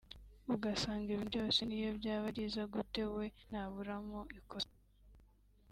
ugasanga ibintu byose n’iyo byaba ari byiza gute we ntaburamo ikosa